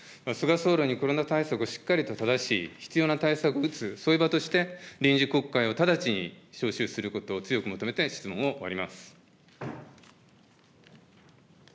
総理にコロナ対策をしっかりとただし、必要な対策を打つ、そういう場として臨時国会を直ちに召集することを強く求めて質問を終わります。